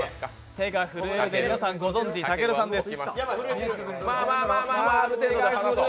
手が震えるで皆さんご存じたけるさんです。